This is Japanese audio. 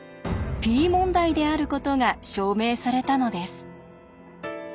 Ｐ問題であることが証明されたのです。